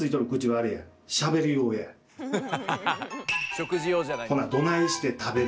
食事用じゃないんだ。